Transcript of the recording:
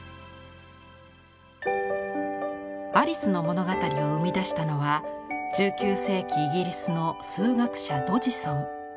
アリスの物語を生み出したのは１９世紀イギリスの数学者ドジソン。